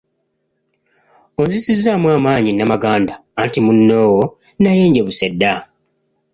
Onzizizzaamu amaanyi Namaganda, anti munnoowo nayenjebuse dda.